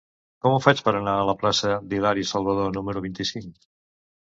Com ho faig per anar a la plaça d'Hilari Salvadó número vint-i-cinc?